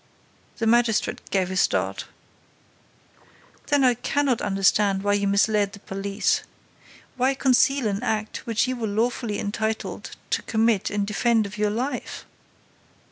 The magistrate gave a start. "Then I cannot understand why you misled the police. Why conceal an act which you were lawfully entitled to commit in defense of your life?"